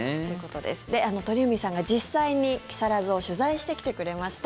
鳥海さんが実際に木更津を取材してきてくれました。